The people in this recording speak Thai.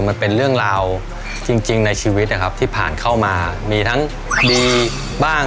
มันเป็นเรื่องราวจริงในชีวิตนะครับที่ผ่านเข้ามามีทั้งดีบ้าง